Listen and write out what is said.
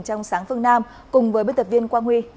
trong sáng phương nam cùng với biên tập viên quang huy